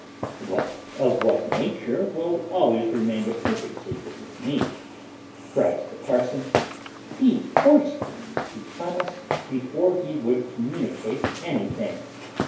"But of what nature will always remain a perfect secret with me," cries the parson: "he forced me to promise before he would communicate anything.